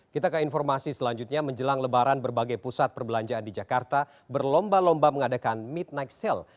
kita ke informasi selanjutnya menjelang lebaran berbagai pusat perbelanjaan di jakarta berlomba lomba mengadakan midnight sale